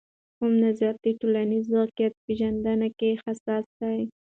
کومې نظریې د ټولنیز واقعیت پیژندنې کې حساسې دي؟